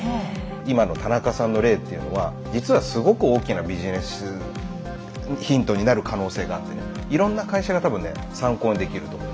今の田中さんの例というのは実はすごく大きなビジネスヒントになる可能性があってねいろんな会社が多分ね参考にできると思う。